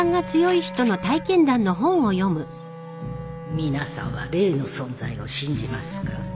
皆さんは霊の存在を信じますか？